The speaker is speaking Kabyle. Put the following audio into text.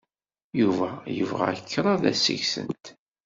Yuba yebɣa kraḍt seg-sent.